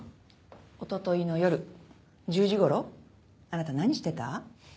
おとといの夜１０時ごろあなた何してた？